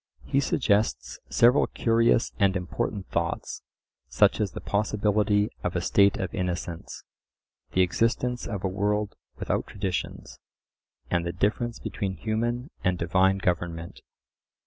He suggests several curious and important thoughts, such as the possibility of a state of innocence, the existence of a world without traditions, and the difference between human and divine government.